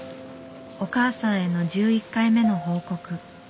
お母さんへの１１回目の報告。